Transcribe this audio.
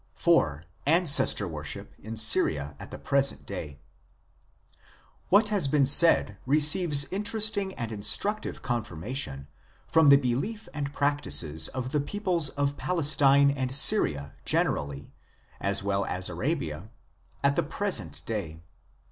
IV. ANCESTOR WORSHIP IN SYRIA AT THE PRESENT DAY What has been said receives interesting and instructive confirmation from the belief and practice of the peoples of Palestine and Syria generally, as well as Arabia, at the present day.